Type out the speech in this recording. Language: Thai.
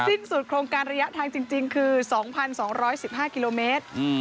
สิ้นสุดโครงการระยะทางจริงคือ๒๒๑๕กิโลเมตร